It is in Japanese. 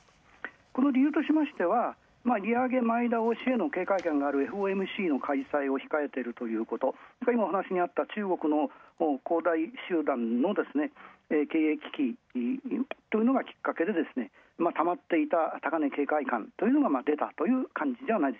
この理由としては、利上げ前倒しへの警戒線がある、ＦＯＭＣの開催を控えて、今話しにあった、中国の恒大集団の経営危機というのがきっかけで、たまっていた高値警戒感というのが出たという感じ。